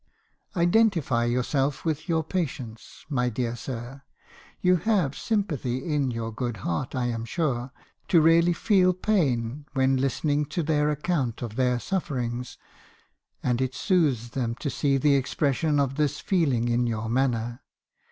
Identify yourself with your patients, my dear sir. You have sympathy in your good heart, I am sure, to really feel pain when listening to their account of their suffer ings, and it soothes them to see the expression of this feeling in your manner.